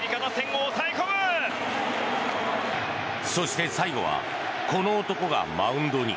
そして最後はこの男がマウンドに。